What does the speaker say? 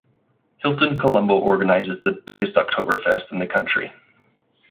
Hilton Colombo organises the biggest Oktoberfest in the country.